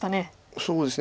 そうですね。